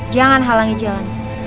jangan halangi jalan